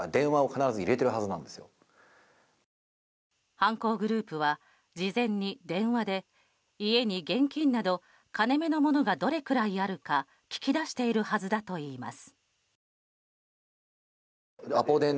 犯行グループは事前に電話で家に現金など金目のものがどれくらいあるか聞き出しているはずだといいます。